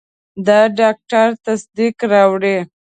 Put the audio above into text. د ډاکټر تصدیق راوړئ.